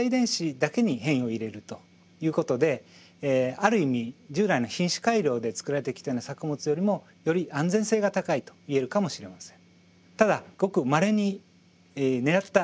ある意味従来の品種改良で作られてきたような作物よりもより安全性が高いといえるかもしれません。